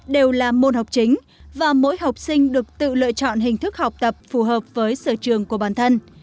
đều là môn học chính và mỗi học sinh được tự lựa chọn hình thức học tập phù hợp với sở trường của bản thân